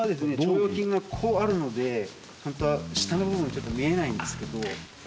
腸腰筋がこうあるので本当は下の部分見えないんですけど。